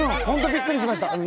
本当びっくりしました。